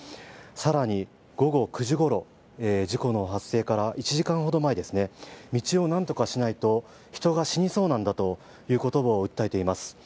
更に午後９時ごろ、事故の発生から１時間ほど前ですね、道を何とかしないと人が死にそうなんだということを訴えています。